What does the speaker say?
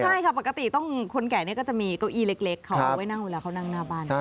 ใช่ค่ะปกติต้องคนแก่ก็จะมีเก้าอี้เล็กเขาเอาไว้นั่งเวลาเขานั่งหน้าบ้าน